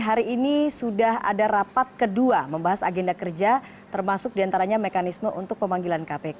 hari ini sudah ada rapat kedua membahas agenda kerja termasuk diantaranya mekanisme untuk pemanggilan kpk